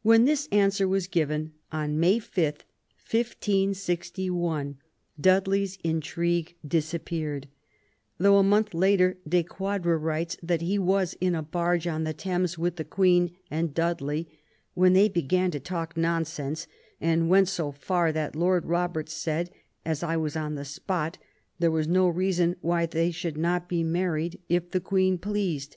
When this answer was given on May 5, 1561, Dudley's intrigue dis appeared ; though, a month later, De Quadra writes that he was in a barge on the Thames, with the Queen and Dudley, when they began to talk non sense, and went so far that Lord Robert said, as I was on the spot, there was no reason why they should not be married, if the Queen pleased.